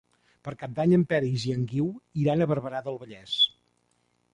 Per Cap d'Any en Peris i en Guiu iran a Barberà del Vallès.